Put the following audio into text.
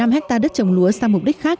một năm ha đất trồng lúa sang mục đích khác